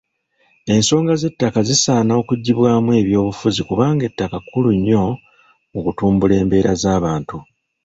Ensonga z'ebyettaka zisaana okuggyibwamu ebyobufuzi kubanga ettaka kkulu nnyo mu kutumbula embeera z'abantu.